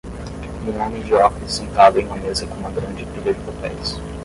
Um homem de óculos sentado em uma mesa com uma grande pilha de papéis.